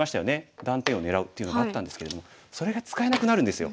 断点を狙うというのがあったんですけれどそれが使えなくなるんですよ。